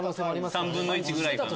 ３分の１ぐらいかな。